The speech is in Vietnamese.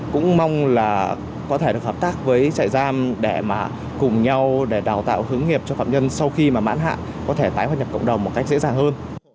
cũng mong là có thể được hợp tác với trại giam để mà cùng nhau để đào tạo hướng nghiệp cho phạm nhân sau khi mà mãn hạ có thể tái hoạt nhập cộng đồng một cách dễ dàng hơn